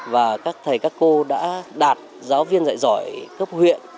và các thầy các cô đã đạt giáo viên dạy giỏi cấp huyện